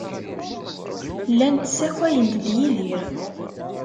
Llant ssakayent-d Yidir.